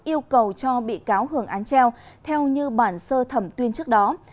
yêu cầu cho bị cáo hưởng án treo theo như bản sơ thẩm tuyên trước đó